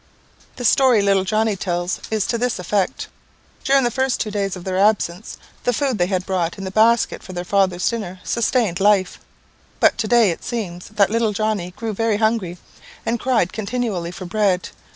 The story little Johnnie tells is to this effect. During the first two days of their absence, the food they had brought in the basket for their father's dinner sustained life; but to day, it seems that little Johnnie grew very hungry, and cried continually for bread.